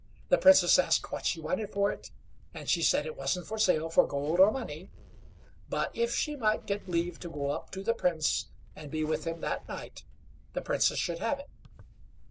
The Princess asked what she wanted for it; and she said it wasn't for sale for gold or money, but if she might get leave to go up to the Prince and be with him that night, the Princess should have it.